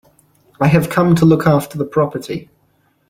I have come to look after the property.